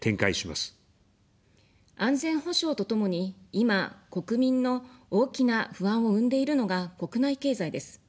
安全保障とともに、今、国民の大きな不安を生んでいるのが国内経済です。